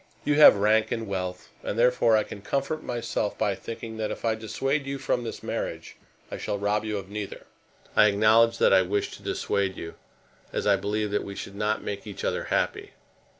You have rank and wealth, and therefore I can comfort myself by thinking that if I dissuade you from this marriage I shall rob you of neither. I acknowledge that I wish to dissuade you, as I believe that we should not make each other happy.